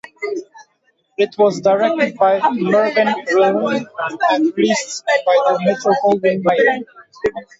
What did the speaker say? It was directed by Mervyn LeRoy and released by Metro-Goldwyn-Mayer.